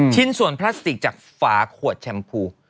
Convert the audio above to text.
ชิ้นส่วนพลาสติกจากฝาขวดแชมพู